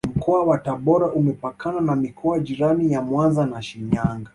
Mkoa wa tabora Umepakana na mikoa jirani ya Mwanza na Shinyanga